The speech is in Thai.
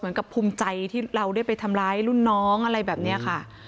เหมือนกับภูมิใจที่เราได้ไปทำร้ายรุ่นน้องอะไรแบบนี้ค่ะ